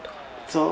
そう。